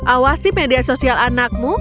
awasi media sosial anakmu